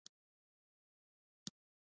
تاریخ باید وساتل شي